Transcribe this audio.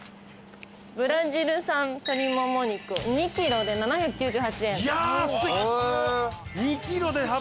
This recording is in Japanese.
ブラジル産鶏もも肉、２キロで７９８円。